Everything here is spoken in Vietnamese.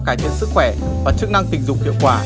cải thiện sức khỏe và chức năng tình dục hiệu quả